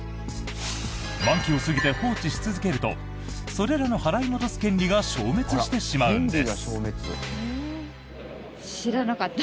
満期を過ぎて放置し続けるとそれらの払い戻す権利が消滅してしまうんです。